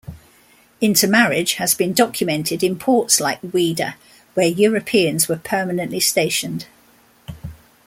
Intermarriage has been documented in ports like Ouidah where Europeans were permanently stationed.